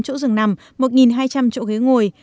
bốn trăm một mươi tám chỗ dừng nằm một hai trăm linh chỗ ghế ngồi